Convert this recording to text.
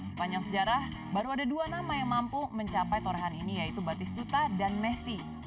sepanjang sejarah baru ada dua nama yang mampu mencapai torehan ini yaitu batis duta dan messi